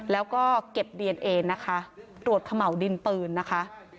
แล้วก็เก็บดีเอนเอนะคะตรวจเขม่าวดินปืนนะคะ